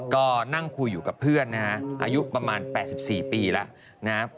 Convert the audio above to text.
ก็นั่งคุยอยู่กับเพื่อนอายุประมาณ๘๔ปีแล้ว